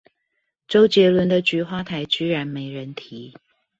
周杰倫的菊花台居然沒人提？